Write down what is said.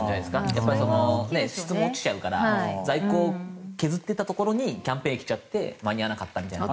やっぱり質も落ちちゃうから在庫を削っていたところにキャンペーンが来ちゃって間に合わなかったみたいな。